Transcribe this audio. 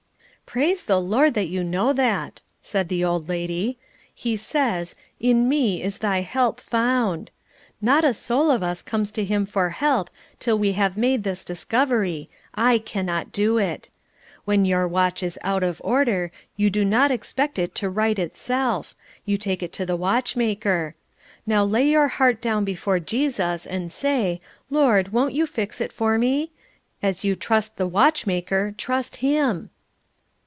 "Praise the Lord that you know that," said the old lady. "He says, 'In me is thy help found.' Not a soul of us comes to him for help till we have made this discovery, 'I cannot do it.' When your watch is out of order you do not expect it to right itself; you take it to the watchmaker. Now lay your heart down before Jesus, and say, Lord won't you fix it for me? As you trust the watchmaker, trust Him."